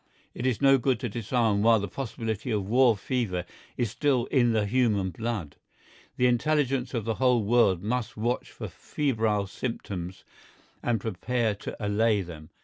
It is no good to disarm while the possibility of war fever is still in the human blood. The intelligence of the whole world must watch for febrile symptoms and prepare to allay them.